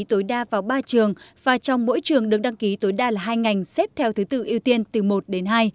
tối đa vào ba trường và trong mỗi trường được đăng ký tối đa là hai ngành xếp theo thứ tự ưu tiên từ một đến hai